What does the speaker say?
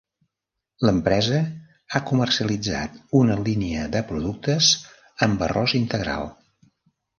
L'empresa ha comercialitzat una línia de productes amb arròs integral.